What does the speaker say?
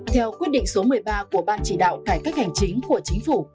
theo quyết định số một mươi ba của ban chỉ đạo cải cách hành chính của chính phủ